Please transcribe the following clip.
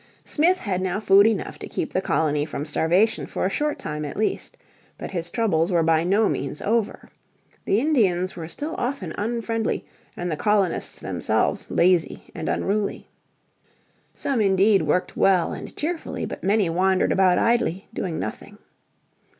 Smith had now food enough to keep the colony from starvation for a short time at least. But his troubles were by no means over. The Indians were still often unfriendly, and the colonists themselves lazy and unruly. Some indeed worked well and cheerfully, but many wandered about idly, doing nothing.